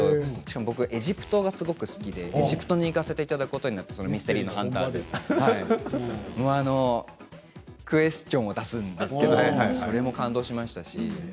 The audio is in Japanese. エジプトが好きでエジプトに行かせていただいてミステリーのハンターでクエスチョンを出すんですけどそれも感動しましたし。